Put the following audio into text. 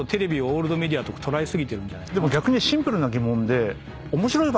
でも逆にシンプルな疑問で。